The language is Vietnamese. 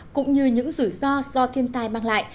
cũng như những rủi ro do thiên tai mang lại